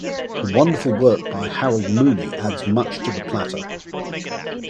The wonderful work by Harold Mooney adds much to the platter.